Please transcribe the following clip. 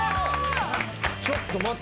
ちょっと待て。